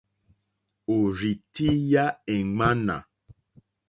Òrzì tíyá èŋmánà.